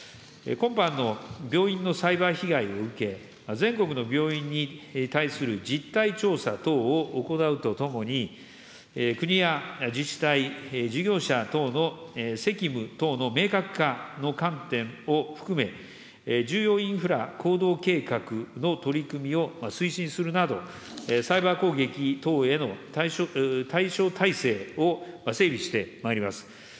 今般の病院のサイバー被害を受け、全国の病院に対する実態調査等を行うとともに、国や自治体、事業者等の責務等の明確化の観点を含め、重要インフラ行動計画の取り組みを推進するなど、サイバー攻撃等への対処体制を整備してまいります。